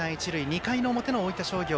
２回の表の大分商業。